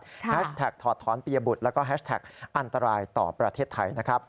แฮชแท็กถอดถอนปียบุตรแล้วก็แฮชแท็กอันตรายต่อประเทศไทยนะครับ